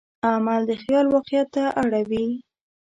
عمل د خیال واقعیت ته اړوي.